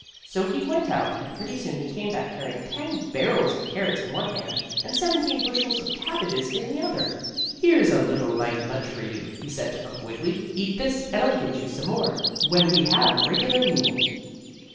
So he went out, and pretty soon he came back, carrying ten barrels of carrots in one hand and seventeen bushels of cabbage in the other. "Here's a little light lunch for you," he said to Uncle Wiggily. "Eat this, and I'll get you some more, when we have a regular meal."